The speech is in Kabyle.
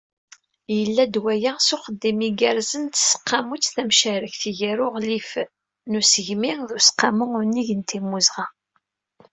Yella-d waya, s uxeddim igerrzen n Teseqqamut tamcarekt gar uɣlif n usegmi d Useqqamu Unnig n Timmuzɣa.